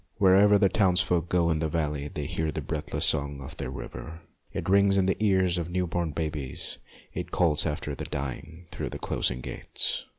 Wherever the townsfolk go in the valley they hear the breathless song of their river ; it rings in the ears of new born babes, it calls after the dying through the closing gates.